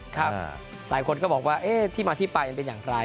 หลายคนก็บอกว่าที่มาที่ไปมันเป็นอย่างไร